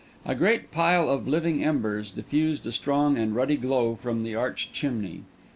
A great pile of living embers diffused a strong and ruddy glow from the arched chimney.